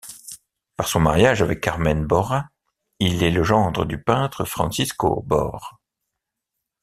Par son mariage avec Carmen Bores, il est le gendre du peintre Francisco Bores.